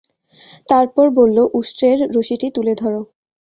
তারপর বলল, উষ্ট্রের রশিটি তুলে ধর।